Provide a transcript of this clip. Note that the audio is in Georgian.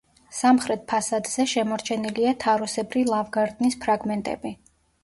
სამხრეთ ფასადზე შემორჩენილია თაროსებრი ლავგარდნის ფრაგმენტები.